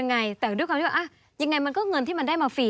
ไงแต่ด้วยความที่ว่ายังไงมันก็เงินที่มันได้มาฟรี